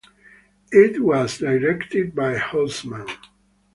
It was directed by Hausmann.